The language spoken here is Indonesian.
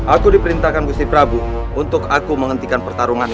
aku diperintahkan gusti prabu untuk aku menghentikan pertarungan